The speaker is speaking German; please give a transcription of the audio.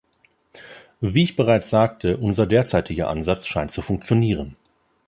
Wie ich bereits sagte, unser derzeitiger Ansatz scheint zu funktionieren.